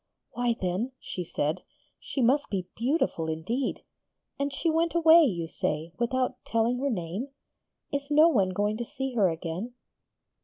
'Why then,' she said, 'she must be beautiful indeed. And she went away, you say, without telling her name? Is no one going to see her again?'